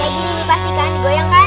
jadi ini dipastikan digoyangkan